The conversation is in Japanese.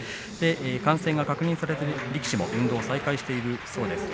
感染が確認されている力士も運動を再開しているそうです。